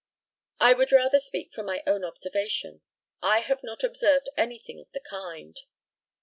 I would rather speak from my own observation. I have not observed anything of the kind.